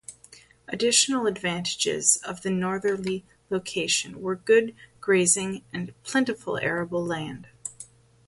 Additional advantages of the northerly location were good grazing and plentiful arable land.